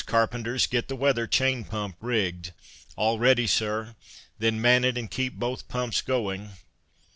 Carpenters, get the weather chain pump rigged." "All ready, Sir." "Then man it and keep both pumps going."